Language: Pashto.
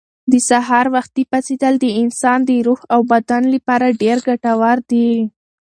د سهار وختي پاڅېدل د انسان د روح او بدن لپاره ډېر ګټور دي.